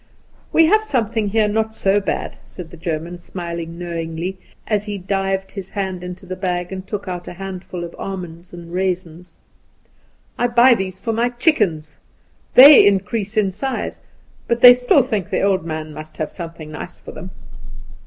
"We have something here not so bad," said the German, smiling knowingly, as he dived his hand into the bag and took out a handful of almonds and raisins; "I buy these for my chickens. They increase in size, but they still think the old man must have something nice for them.